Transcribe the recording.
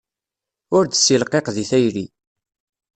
Ur d-ssilqiq di tayri.